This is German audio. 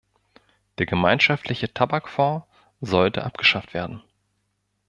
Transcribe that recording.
Der Gemeinschaftliche Tabakfonds sollte abgeschafft werden.